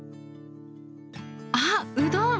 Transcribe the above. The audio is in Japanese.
あっうどん！